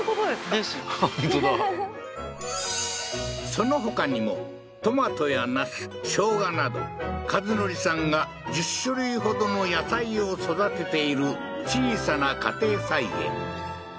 そのほかにもトマトやナスショウガなど和則さんが１０種類ほどの野菜を育てている小さな家庭菜園